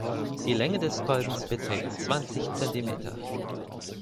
Die Länge des Kolbens beträgt zwanzig Zentimeter